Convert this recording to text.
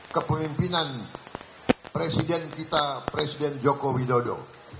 kepemimpinan presiden kita presiden joko widodo